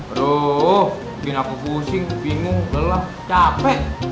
aduh bikin aku pusing bingung lelah capek